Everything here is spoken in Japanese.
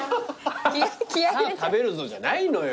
「さぁ食べるぞ」じゃないのよ。